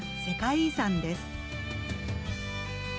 世界遺産です。